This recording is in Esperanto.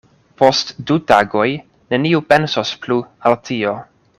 Post du tagoj neniu pensos plu al tio.